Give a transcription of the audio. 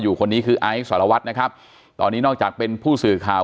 คนนี้คือไอซ์สารวัตรนะครับตอนนี้นอกจากเป็นผู้สื่อข่าว